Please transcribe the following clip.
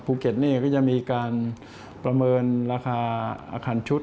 ภูเก็ตนี่ก็จะมีการประเมินราคาอาคารชุด